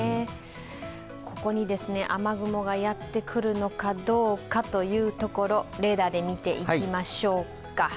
ここに雨雲がやってくるのかどうかというところ、レーダーで見ていきましょうか。